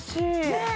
ねえ！